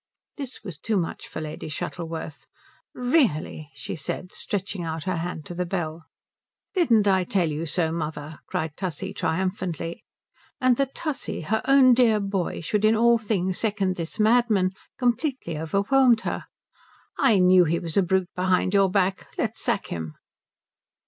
This was too much for Lady Shuttleworth. "Really " she said, stretching out her hand to the bell. "Didn't I tell you so, mother?" cried Tussie triumphantly; and that Tussie, her own dear boy, should in all things second this madman completely overwhelmed her. "I knew he was a brute behind your back. Let's sack him."